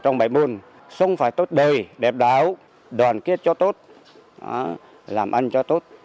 trong bảy buôn xông phải tốt đời đẹp đáo đoàn kết cho tốt làm ăn cho tốt